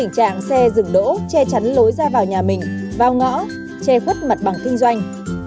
đảng xe dừng đỗ che chắn lối ra vào nhà mình vào ngõ che khuất mặt bằng kinh doanh